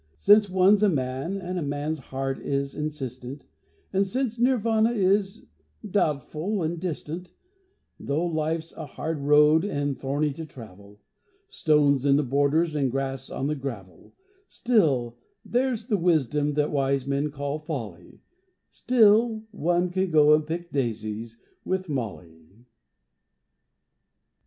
Since one's a man and man's heart is insistent, And, since Nirvana is doubtful and distant, Though life's a hard road and thorny to travel Stones in the borders and grass on the gravel, Still there's the wisdom that wise men call folly, Still one can go and pick daisies with Molly!